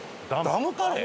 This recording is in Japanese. ダムカレー？